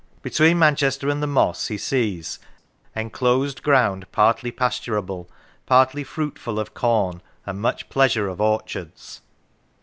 Between Manchester and the Moss he sees " en closed ground partly pasturable, partly fruitful of corn, and much pleasure of orchards."